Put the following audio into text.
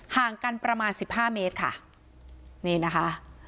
ห่างกันประมาณสิบห้าเมตรค่ะนี่นะคะ